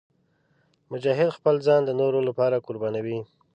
مجاهد خپل ځان د نورو لپاره قربانوي.